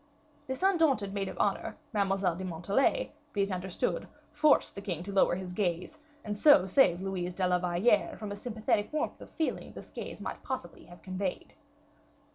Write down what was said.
This undaunted maid of honor, Mademoiselle de Montalais, be it understood, forced the king to lower his gaze, and so saved Louise de la Valliere from a sympathetic warmth of feeling this gaze might possibly have conveyed.